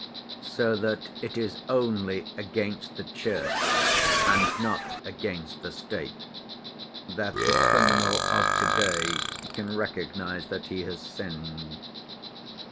So that it is only against the Church, and not against the State, that the criminal of to‐day can recognize that he has sinned.